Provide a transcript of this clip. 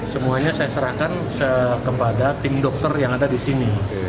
semuanya saya serahkan kepada tim dokter yang ada di sini